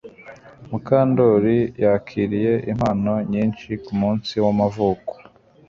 Mukandoli yakiriye impano nyinshi kumunsi wamavuko